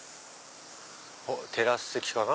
テラス席かな？